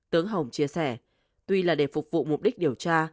tướng hồng chia sẻ tuy là để phục vụ mục đích điều tra